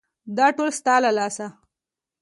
_دا ټول ستا له لاسه.